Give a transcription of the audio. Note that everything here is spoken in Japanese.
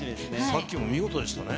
さっきも見事でしたね。